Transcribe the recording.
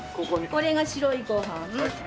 これが白いご飯。